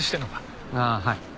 ああはい。